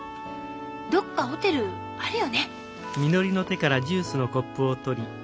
どっかホテルあるよね。